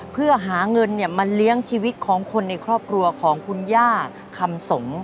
เพื่อหาเงินมาเลี้ยงชีวิตของคนในครอบครัวของคุณย่าคำสม